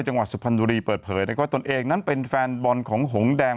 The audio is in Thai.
จังหวัดสุพรรณบุรีเปิดเผยนะครับว่าตนเองนั้นเป็นแฟนบอลของหงแดง